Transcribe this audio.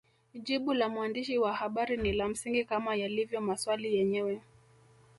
Jibu la mwandishi wa habari ni la msingi kama yalivyo maswali yenyewe